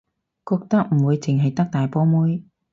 覺得唔會淨係得大波妹